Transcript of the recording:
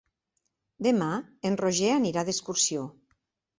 Demà en Roger anirà d'excursió.